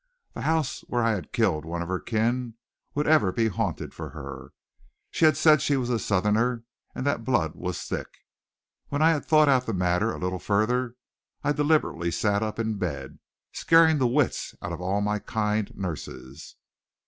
The house where I had killed one of her kin would ever be haunted for her. She had said she was a Southerner and that blood was thick. When I had thought out the matter a little further, I deliberately sat up in bed, scaring the wits out of all my kind nurses.